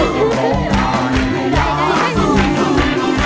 คุณบัวร้อง